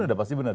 udah pasti benar